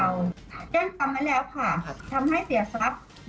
ก็ยังทำไว้แล้วค่ะทำให้เสียทรัพย์